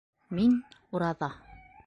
Мин - ураҙа.